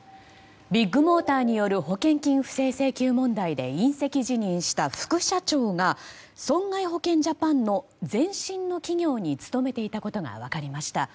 ビッグモーターによる保険金不正請求問題で引責辞任した副社長が損害保険ジャパンの前身の企業に勤めていたことが分かりました。